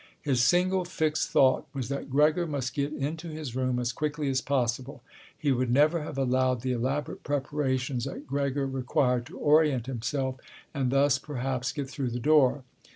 His single fixed thought was that Gregor must get into his room as quickly as possible. He would never have allowed the elaborate preparations that Gregor required to orient himself and thus perhaps get through the door.